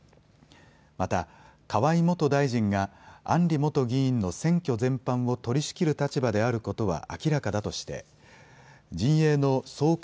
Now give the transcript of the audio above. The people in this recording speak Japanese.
また河井元大臣が案里元議員の選挙全般を取りしきる立場であることは明らかだとして陣営の総括